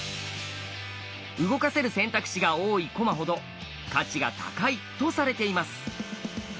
動かせる選択肢が多い駒ほど「価値が高い」とされています。